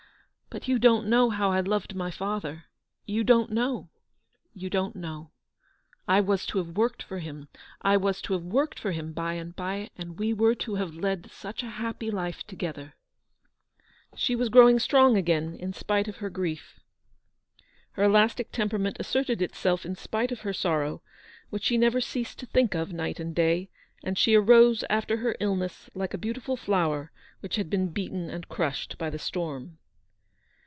But you don't know how I loved my father. You don't know — you don't know. I was to have worked for him ; I was to have worked for him by and by, and we were to have led such a happy life together." She was growing strong again in spite of her grief. Her elastic temperament asserted itself in spite of her sorrow, which she never ceased to think of night and day, and she arose after her illness like a beautiful flower which had been beaten and crushed by the storm.